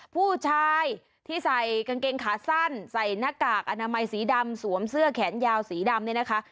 ผู้ชายที่ใส่กางเกงขาสั้นใส่หน้ากากอนามัยสีดำสวมเสื้อแขนยาวสีดำเนี่ยนะคะ